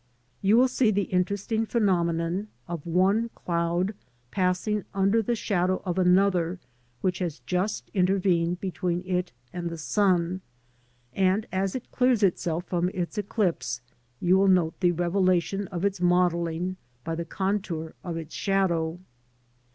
You will see the interesting phenomenon of one cloud passing under the shadow of another which has just intervened between it and the sun; and as it clears itself from its eclipse, you will note the revelation of its modelling by the contour of its shadow.